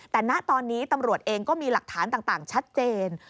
แต่ณตอนนี้ตำรวจเองก็มีหลักฐานต่างชัดเจน